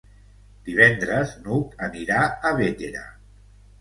Divendres n'Hug anirà a Bétera.